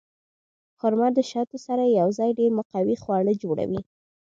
خرما د شاتو سره یوځای ډېر مقوي خواړه جوړوي.